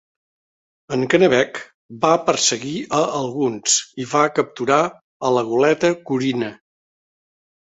En "Kennebec" va perseguir a alguns i va capturar a la goleta "Corina".